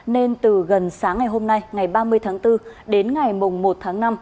nên từ gần sáng ngày hôm nay ngày ba mươi tháng bốn đến ngày một tháng năm